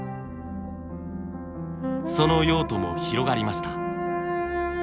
その用途も広がりました。